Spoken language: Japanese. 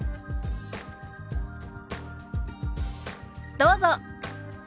どうぞ。